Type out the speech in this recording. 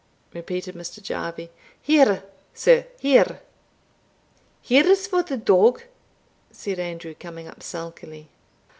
repeated Mr. Jarvie; "here, sir here!" "Here is for the dog." said Andrew, coming up sulkily.